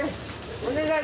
お願い！